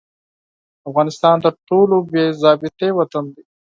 افغانستان تر ټولو بې ضابطې وطن دي.